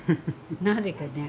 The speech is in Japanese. なぜかね。